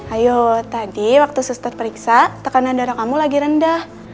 ayo tadi waktu suster periksa tekanan darah kamu lagi rendah